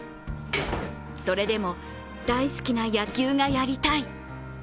それでも大好きな野球がやりたい！